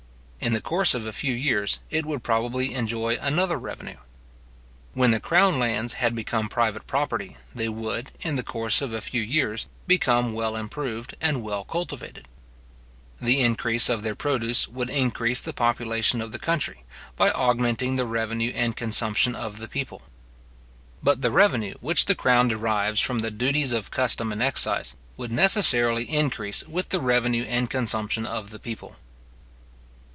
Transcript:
In the course of a few years, it would probably enjoy another revenue. When the crown lands had become private property, they would, in the course of a few years, become well improved and well cultivated. The increase of their produce would increase the population of the country, by augmenting the revenue and consumption of the people. But the revenue which the crown derives from the duties or custom and excise, would necessarily increase with the revenue and consumption of the people.